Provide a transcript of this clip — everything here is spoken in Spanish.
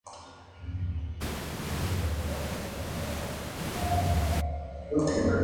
No hubo descensos a la Primera B, dado que se suspendieron.